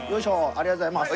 ありがとうございます。